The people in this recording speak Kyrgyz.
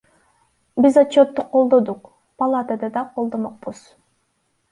Биз отчетту колдодук, палатада да колдомокпуз.